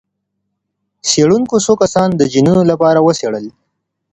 څېړونکو څو کسان د جینونو لپاره وڅېړل.